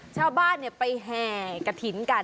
ชาวบ้านไปแห่กระถิ่นกัน